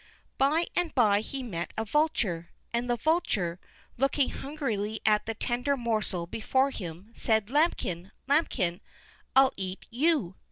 By and by he met a vulture, and the vulture, looking hungrily at the tender morsel before him, said: "Lambikin! Lambikin! I'll EAT YOU!"